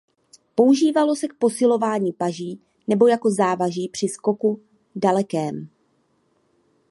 Používalo se k posilování paží nebo jako závaží při skoku dalekém.